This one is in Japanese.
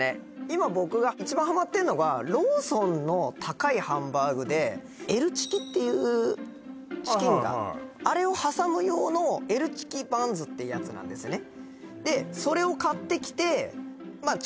今僕が一番ハマってんのがローソンの高いハンバーグでＬチキっていうチキンがあれを挟む用のＬチキバンズっていうやつなんですね